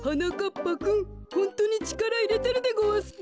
ぱくんホントにちからいれてるでごわすか？